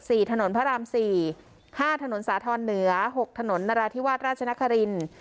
ถนนพระรามสี่ห้าถนนสาธรณ์เหนือหกถนนนราธิวาสราชนครินทร์